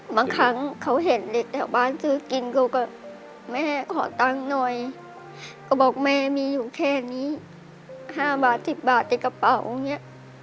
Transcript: บางครั้งเขาเห็นเด็กแถวบ้านซื้อกินเขาก็แม่ขอตังค์หน่อยก็บอกแม่มีอยู่แค่นี้๕บาท๑๐บาทในกระเป๋าอย่างนี้